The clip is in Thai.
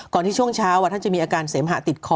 ที่ช่วงเช้าท่านจะมีอาการเสมหะติดคอ